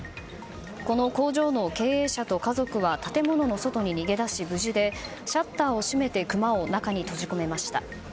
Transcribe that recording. この工場の経営者と家族は建物の外に逃げ出し無事でシャッターを閉めてクマを中に閉じ込めました。